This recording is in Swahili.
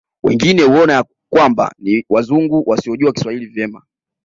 Wengine huona ya kwamba ni Wazungu wasiojua Kiswahili vema